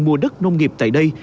mua đất nông nghiệp tại đây